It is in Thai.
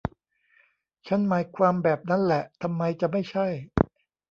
ฉันหมายความแบบนั้นแหละ ทำไมจะไม่ใช่